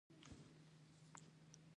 مسوولیت څنګه ومنو؟